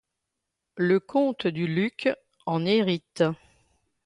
Le comte du Luc en hérite.